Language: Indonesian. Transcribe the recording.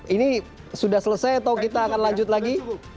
ini sudah selesai atau kita akan lanjut lagi